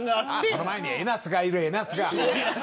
その前に江夏がいる、江夏が。